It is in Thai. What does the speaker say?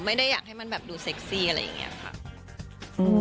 ไม่ได้อยากให้มันแบบดูเซ็กซี่อะไรอย่างนี้ค่ะ